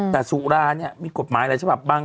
แต่สุราเนี่ยมีกฎหมายอะไรเฉพาะบ้าง